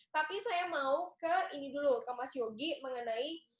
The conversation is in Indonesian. tapi saya mau ke ini dulu ke mas yogi mengenai